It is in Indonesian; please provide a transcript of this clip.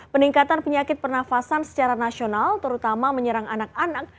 peningkatan penyakit pernafasan secara nasional terutama menyerang anak anak